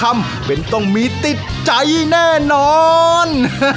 เมนต้องมีติดใจแน่นอน